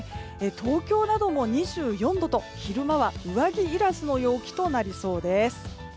東京なども２４度と昼間は上着いらずの陽気となりそうです。